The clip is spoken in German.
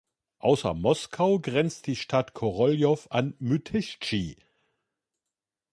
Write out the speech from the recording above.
Außer Moskau grenzt die Stadt Koroljow an Mytischtschi.